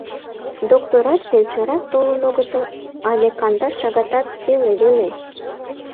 Докторат, фельдшерат толын огытыл, — але кандаш шагатат пеле веле.